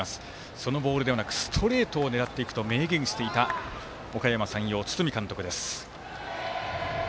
そのボールではなくストレートを狙っていくと明言したおかやま山陽の堤監督です。